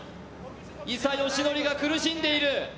伊佐嘉矩が苦しんでいる。